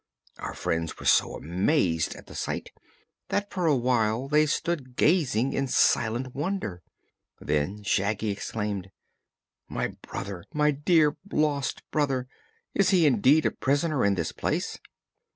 Our friends were so amazed at the sight that for a while they stood gazing in silent wonder. Then Shaggy exclaimed. "My brother! My dear lost brother! Is he indeed a prisoner in this place?"